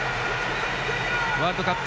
ワールドカップ